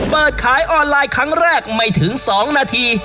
เปิดขายออนไลน์ครั้งแรกไม่ถึง๒นาที